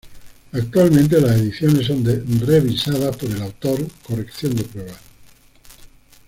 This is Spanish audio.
Actualmente las ediciones son revisadas por el autor: corrección de pruebas.